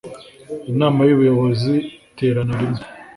inama y’ubuyobozi iterana rimwe